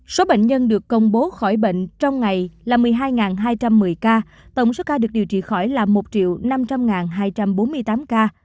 số bệnh nhân được công bố khỏi bệnh trong ngày là một mươi hai hai trăm một mươi ca tổng số ca được điều trị khỏi là một năm trăm linh hai trăm bốn mươi tám ca